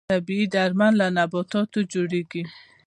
طبیعي درمل له نباتاتو جوړیږي